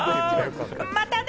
またね！